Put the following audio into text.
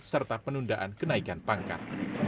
serta penundaan kenaikan pangkat